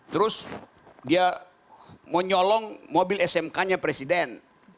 terus dia mau nyolong mobil smk nya presiden